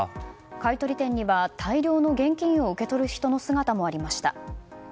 買い取り店には大量の現金を受け取る人の姿もありました。